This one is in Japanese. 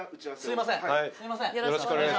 すいません。